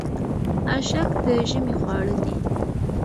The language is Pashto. اشک د ژمي خواړه دي.